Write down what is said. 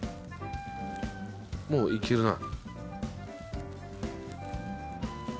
もういけるな。